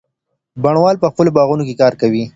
بڼوال په خپلو باغونو کي کار کوي.